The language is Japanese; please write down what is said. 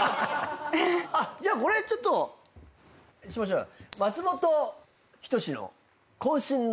じゃあこれちょっとしましょうよ。